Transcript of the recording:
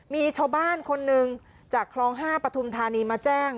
มีชาวบ้านคนหนึ่งจากคลอง๕ปฐุมธานีมาแจ้ง